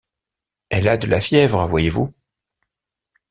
Elle a de la fièvre, voyez-vous.